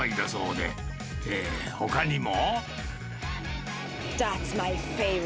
で、ほかにも。